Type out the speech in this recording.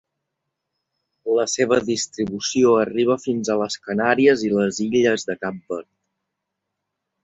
La seva distribució arriba fins a les Canàries i les illes de Cap Verd.